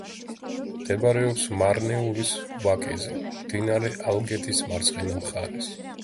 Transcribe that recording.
მდებარეობს მარნეულის ვაკეზე, მდინარე ალგეთის მარცხენა მხარეს.